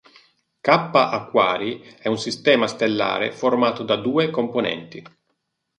Kappa Aquarii è un sistema stellare formato da due componenti.